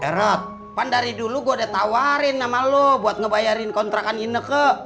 herot kan dari dulu gua udah tawarin sama lo buat ngebayarin kontrakan ineke